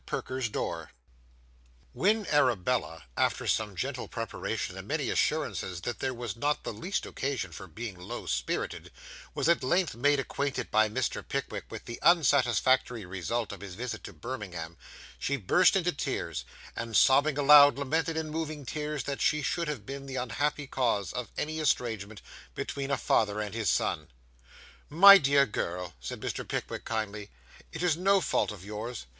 PERKER'S DOOR When Arabella, after some gentle preparation and many assurances that there was not the least occasion for being low spirited, was at length made acquainted by Mr. Pickwick with the unsatisfactory result of his visit to Birmingham, she burst into tears, and sobbing aloud, lamented in moving terms that she should have been the unhappy cause of any estrangement between a father and his son. 'My dear girl,' said Mr. Pickwick kindly, 'it is no fault of yours.